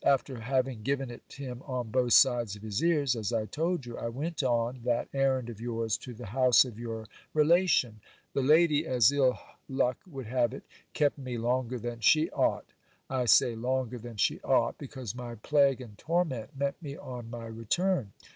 After having given it him on both sides of his ears, as I told you, I went on that errand of yours to the house of your re lation. The lady, as ill luck would have it, kept me longer than she ought. I say longer than she ought, because my plague and torment met me on my re turn.